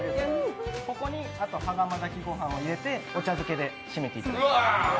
ここに羽釜炊きご飯を入れてお茶漬けで締めていただきます。